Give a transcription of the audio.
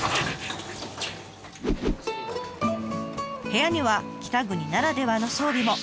部屋には北国ならではの装備も。